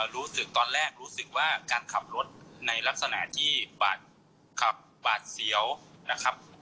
รู้สึกตอนแรกรู้สึกว่าการขับรถในลักษณะที่บาดขับบาดเสียวนะครับ